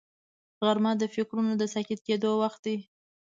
غرمه د فکرونو د ساکت کېدو وخت دی